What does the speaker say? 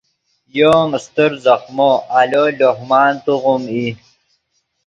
یو ام استر ځخمو آلو لوہ مان توغیم ای